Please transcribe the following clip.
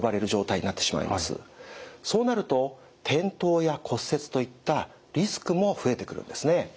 そうなると転倒や骨折といったリスクも増えてくるんですね。